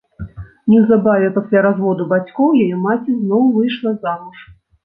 Неўзабаве пасля разводу бацькоў яе маці зноў выйшла замуж.